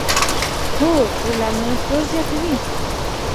هو اعلانونه پلور زیاتوي.